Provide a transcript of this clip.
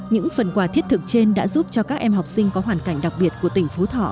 những phần quà thiết thực trên đã giúp cho các em học sinh có hoàn cảnh đặc biệt của tỉnh phú thọ